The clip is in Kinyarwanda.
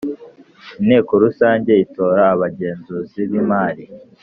Inteko Rusange itora abagenzuzi b imari